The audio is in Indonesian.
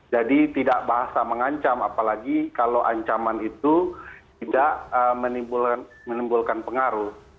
tidak bahasa mengancam apalagi kalau ancaman itu tidak menimbulkan pengaruh